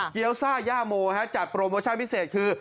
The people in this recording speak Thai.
เกี้ยวซ่าย่าโมจัดโปรโมชั่นพิเศษคือ